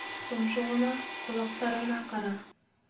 Томшоғона, ҡолаҡтарына ҡара!